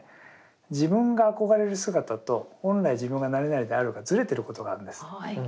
自分が憧れる姿と本来自分が何々であるがずれてることがあるんですね。